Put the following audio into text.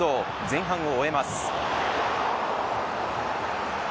前半を終えます。